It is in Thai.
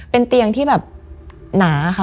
เป็นเตียงที่แบบหนาค่ะ